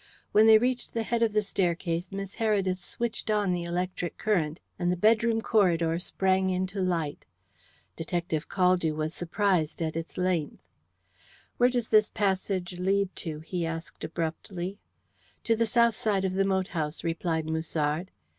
When they reached the head of the staircase Miss Heredith switched on the electric current, and the bedroom corridor sprang into light. Detective Caldew was surprised at its length. "Where does this passage lead to?" he asked abruptly. "To the south side of the moat house," replied Musard.